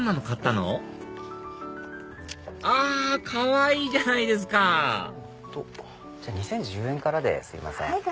かわいいじゃないですか２０１０円からですいません。